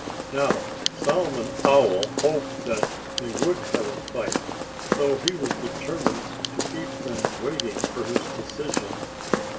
Now, Solomon Owl hoped that they would have a fight. So he was determined to keep them waiting for his decision.